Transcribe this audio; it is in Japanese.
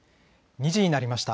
２時になりました。